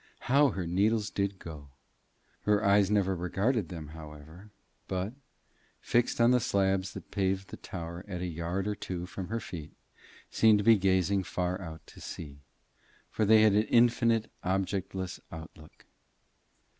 How her needles did go! Her eyes never regarded them, however, but, fixed on the slabs that paved the tower at a yard or two from her feet, seemed to be gazing far out to sea, for they had an infinite objectless outlook.